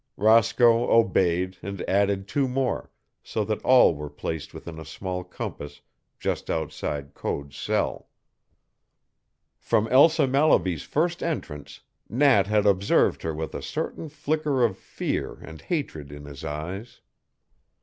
Roscoe obeyed and added two more, so that all were placed within a small compass just outside Code's cell. From Elsa Mallaby's first entrance Nat had observed her with a certain flicker of fear and hatred in his eyes.